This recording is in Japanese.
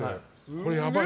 これ、やばい。